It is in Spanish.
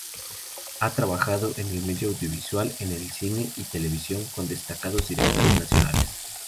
Ha trabajado en el medio audiovisual en cine y televisión con destacados directores nacionales.